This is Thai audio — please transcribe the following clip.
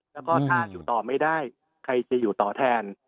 แล้วก็ถ้าอยู่ต่อไม่ได้ใครจะอยู่ต่อแทน